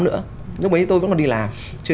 nữa lúc đấy tôi vẫn còn đi làm chưa